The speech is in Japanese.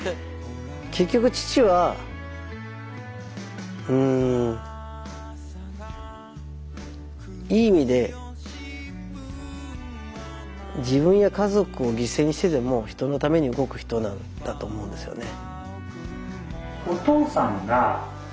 結局父はうんいい意味で自分や家族を犠牲にしてでも人のために動く人だったと思うんですよね。